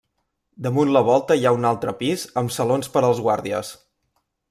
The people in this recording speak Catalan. Damunt la volta hi ha un altre pis amb salons per als guàrdies.